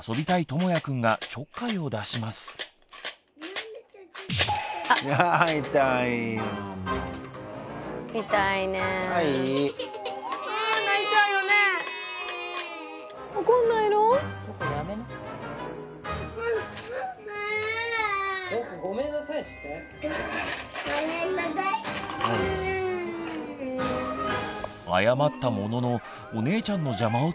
謝ったもののお姉ちゃんの邪魔を続けるともやくん。